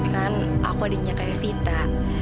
kan aku adiknya kayak vita